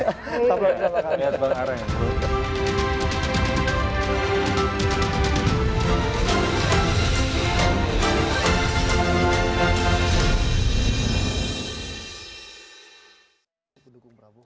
lihat bang ara ya